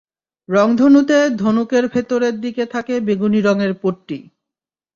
রংধনুতে ধনুকের ভেতরের দিকে থাকে বেগুনি রঙের পট্টি।